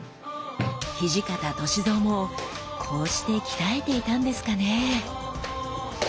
土方歳三もこうして鍛えていたんですかね？